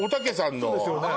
そうですよね。